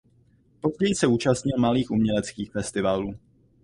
Později se účastnil malých uměleckých festivalů.